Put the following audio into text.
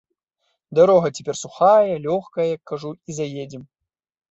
Дарога цяпер сухая, лёгкая, як кажу, і заедзем.